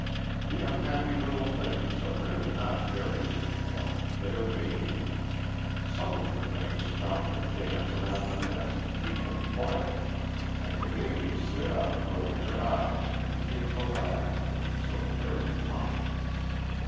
The unhappy little things are really not fairies any more they are babies. Some of the cranes come and dance around the nest to keep them quiet, and the babies sit up and open their eyes and begin to laugh, it is so very funny.